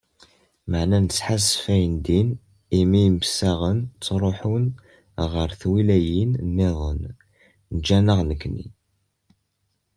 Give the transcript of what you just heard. "Meεna nesḥassef ayendin, imi imsaɣen ttruḥun ɣer twilayin-nniḍen, ǧǧan-aɣ nekkni."